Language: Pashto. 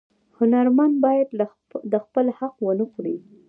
هنرمن باید د بل حق ونه خوري